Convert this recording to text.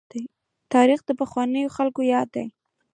تاريخ د پخوانیو خلکو ياد دی.